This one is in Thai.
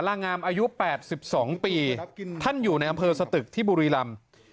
ตั้งแต่๘๒ปีท่านอยู่ในอำเภอสตึกที่บุรีรัม